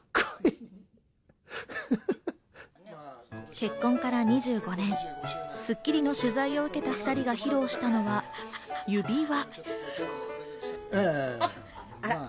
結婚から２５年、『スッキリ』の取材を受けた２人が披露したのは指輪。